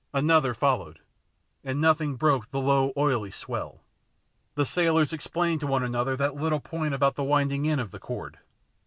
Another followed, and nothing broke the low oily swell. The sailors explained to one another that little point about the winding in of the cord.